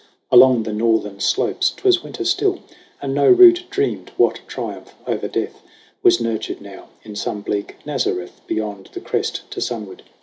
Along the northern slopes 'twas winter still, And no root dreamed what Triumph over Death Was nurtured now in some bleak Nazareth Beyond the crest to sunward.